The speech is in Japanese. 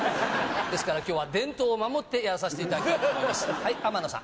ですからきょうは、伝統を守ってやらさせていただきたいと思います。